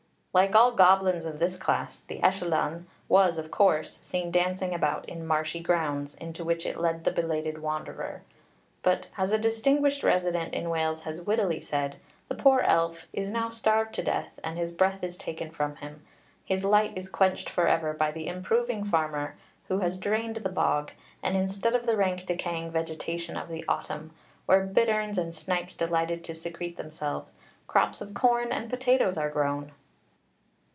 Like all goblins of this class, the Ellylldan was, of course, seen dancing about in marshy grounds, into which it led the belated wanderer; but, as a distinguished resident in Wales has wittily said, the poor elf 'is now starved to death, and his breath is taken from him; his light is quenched for ever by the improving farmer, who has drained the bog; and, instead of the rank decaying vegetation of the autumn, where bitterns and snipes delighted to secrete themselves, crops of corn and potatoes are grown.'